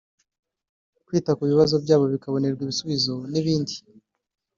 kwita ku bibazo byabo bikabonerwa ibisubizo n’ibindi